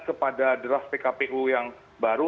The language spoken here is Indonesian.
kepada draft pkpu yang baru